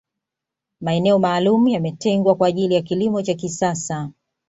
maeneo maalum yametengwa kwa ajili ya kilimo cha kisasa